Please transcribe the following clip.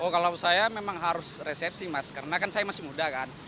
kalau saya memang harus resepsi mas karena kan saya masih muda kan